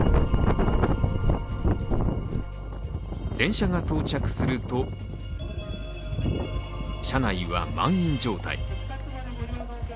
電車が到着すると、車内は満員状態。